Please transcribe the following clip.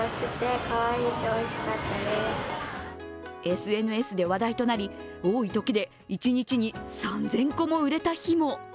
ＳＮＳで話題となり、多いときで一日に３０００個売れた日も。